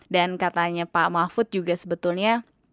dan katanya pak mahfud juga sebetulnya